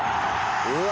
うわ！